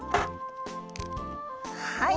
はい。